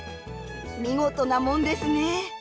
見事なもんですね。